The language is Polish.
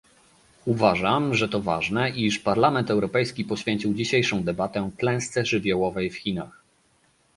Uważam, że to ważne, iż Parlament Europejski poświecił dzisiejszą debatę klęsce żywiołowej w Chinach